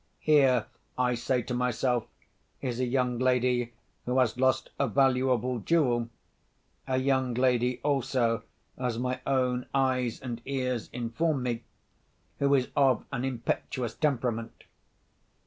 Here (I say to myself) is a young lady who has lost a valuable jewel—a young lady, also, as my own eyes and ears inform me, who is of an impetuous temperament.